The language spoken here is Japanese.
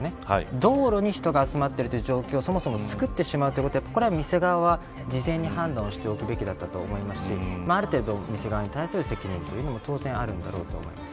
道路に人が集まっている状況をそもそも作ってしまうことは店側は事前に判断しておくべきだったと思いますしある程度、店側の責任も当然あると思います。